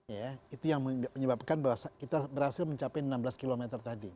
ya itu yang menyebabkan bahwa kita berhasil mencapai enam belas km tadi